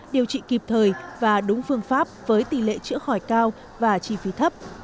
điều trị kịp thời và đúng phương pháp với tỷ lệ chữa khỏi cao và chi phí thấp